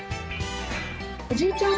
おじいちゃん